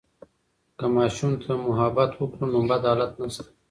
که ماشوم ته محبت وکړو، نو بد حالات نشته.